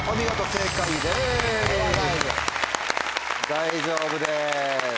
大丈夫です。